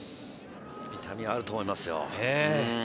痛みはあると思いますよ。